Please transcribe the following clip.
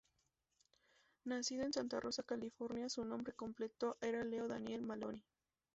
Nacido en Santa Rosa, California, su nombre completo era Leo Daniel Maloney.